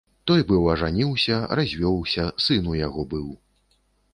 Той быў ажаніўся, развёўся, сын у яго быў.